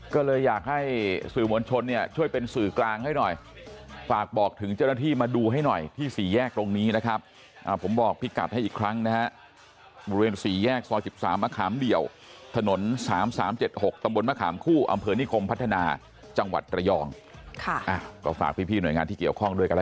ค่ะคุณผู้ชมคะติดตามค่าว